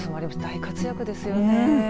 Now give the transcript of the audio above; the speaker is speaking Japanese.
大活躍ですよね。